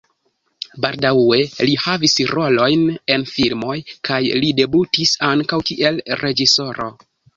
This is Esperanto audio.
Baldaŭe li havis rolojn en filmoj kaj li debutis ankaŭ kiel reĝisoro.